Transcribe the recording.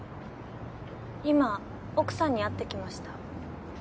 今奥さんに会ってきました。